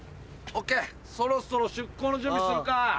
そろそろ出港の準備するか。